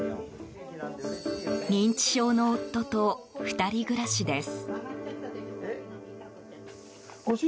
認知症の夫と２人暮らしです。